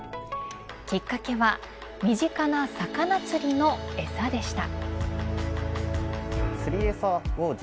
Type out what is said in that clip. きっかけは身近な魚釣りのえさでした。